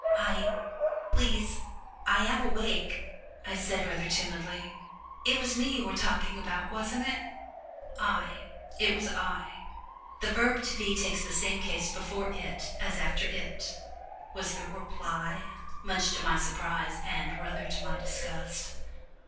"I please I am awake," I said rather timidly. "It was me you were talking about, wasn't it?" "I 'it was I' the verb to be takes the same case after it as before it," was the reply, much to my surprise and rather to my disgust.